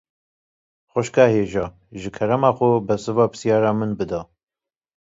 Xwişka hêja, ji kerema xwe bersiva pirsyara min bide